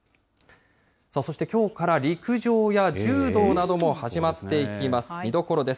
そしてきょうから陸上や柔道なども始まっていきます。